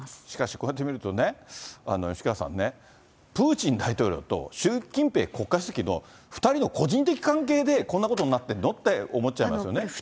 しかしこうやって見るとね、吉川さんね、プーチン大統領と習近平国家主席の２人の個人的関係でこんなことになってるの？って思っちゃいますよね。